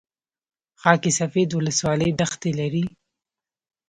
خاک سفید ولسوالۍ دښتې لري؟